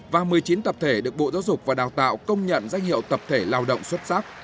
và một mươi chín tập thể được bộ giáo dục và đào tạo công nhận danh hiệu tập thể lao động xuất sắc